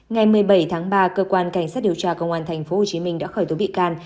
ngày một mươi bảy tháng ba cơ quan cảnh sát điều tra công an tp hcm đã khởi tố bị can